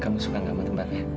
kamu suka ngambil tempat ya